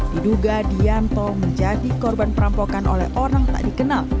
diduga dianto menjadi korban perampokan oleh orang tak dikenal